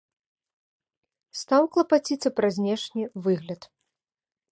Стаў клапаціцца пра знешні выгляд.